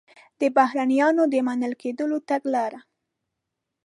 د بهرنیانو د منل کېدلو تګلاره